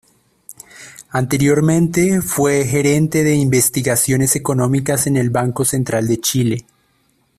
Anteriormente, fue gerente de Investigaciones Económicas en el Banco Central de Chile.